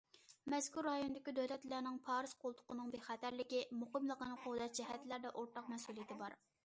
مەزكۇر رايوندىكى دۆلەتلەرنىڭ پارس قولتۇقىنىڭ بىخەتەرلىكى، مۇقىملىقىنى قوغداش جەھەتلەردە ئورتاق مەسئۇلىيىتى بار.